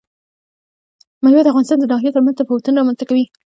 مېوې د افغانستان د ناحیو ترمنځ تفاوتونه رامنځ ته کوي.